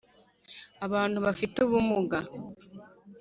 abantu bafite ubumuga